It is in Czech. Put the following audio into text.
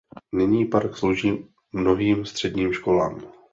Nyní park slouží mnohým středním školám.